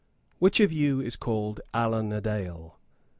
"Which of you is called Allan a Dale?"